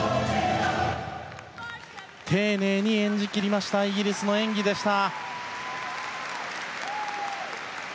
丁寧に演じ切りましたイギリスの演技でした。